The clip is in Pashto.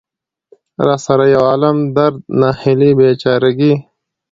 را سره يو عالم درد، ناهيلۍ ،بېچاره ګۍ.